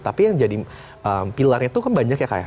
tapi yang jadi pilarnya tuh kan banyak ya kaya